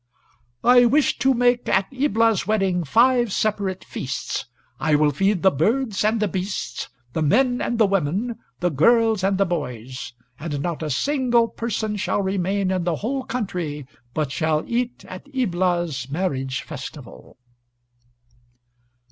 ] "I wish to make at Ibla's wedding five separate feasts; I will feed the birds and the beasts, the men and the women, the girls and the boys, and not a single person shall remain in the whole country but shall eat at Ibla's marriage festival."